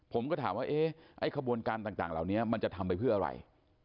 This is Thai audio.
ผมก็ถามว่าเอ๊ะไอ้ขบวนการต่างเหล่านี้มันจะทำไปเพื่ออะไร